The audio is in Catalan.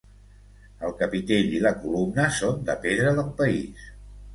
El capitell i la columna són de pedra del país.